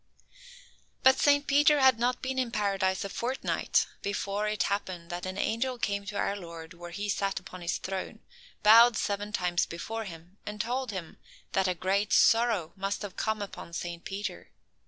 But Saint Peter had not been in Paradise a fortnight before it happened that an angel came to our Lord where He sat upon His throne, bowed seven times before Him, and told Him that a great sorrow must have come upon Saint Peter.